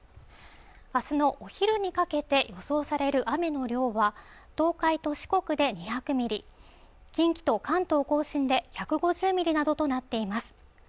明日のお昼にかけて予想される雨の量は東海と四国で２００ミリ近畿と関東甲信で１５０ミリなどとなっています